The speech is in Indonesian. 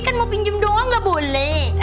kan mau pinjem doang nggak boleh